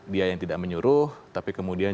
dia yang tidak menyuruh tapi kemudian